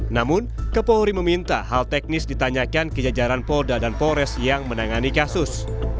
namun kapolri meminta hal teknis ditanyakan ke jajaran polda dan polres yang menangani kasus